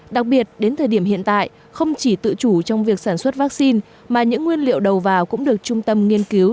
đặc biệt đến thời điểm hiện tại không chỉ tự chủ trong việc sản xuất vaccine mà những nguyên liệu đầu vào cũng được trung tâm nghiên cứu